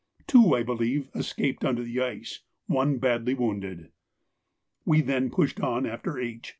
Two, I believe, escaped under the ice, one badly wounded. We then pushed on after H.